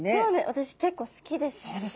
私結構好きです。